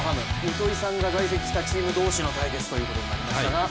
糸井さんが在籍したチーム同士の対決ということになりましたが。